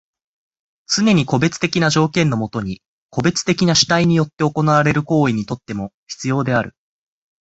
つねに個別的な条件のもとに個別的な主体によって行われる行為にとっても必要である。